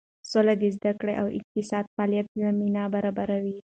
سوله د زده کړې او اقتصادي فعالیت زمینه برابروي.